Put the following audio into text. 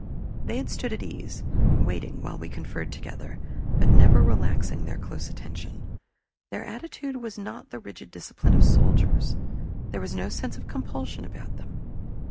They had stood at ease, waiting while we conferred together, but never relaxing their close attention. Their attitude was not the rigid discipline of soldiers; there was no sense of compulsion about them.